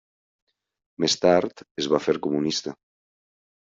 Més tard es va fer comunista.